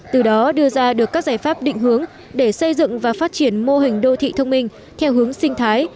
từ đó đưa ra được các giải pháp định hướng để xây dựng và phát triển mô hình đô thị thông minh theo hướng sinh thái